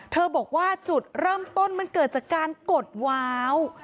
บอกว่าจุดเริ่มต้นมันเกิดจากการกดว้าว